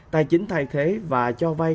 tài chính thay thế và cho vay